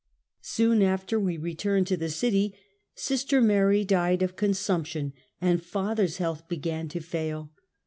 Soon after we returned to the city, sister Mary died of consumption, and father's health began to fail.